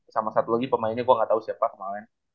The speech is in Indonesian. sama satu lagi pemainnya gue gak tau siapa kemarin